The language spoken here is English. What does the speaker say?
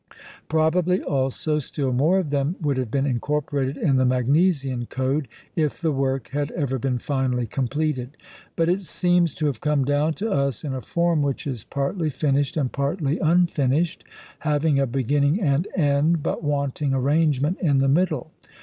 Probably also still more of them would have been incorporated in the Magnesian code, if the work had ever been finally completed. But it seems to have come down to us in a form which is partly finished and partly unfinished, having a beginning and end, but wanting arrangement in the middle.